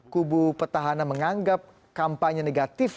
kubu petahana menganggap kampanye negatif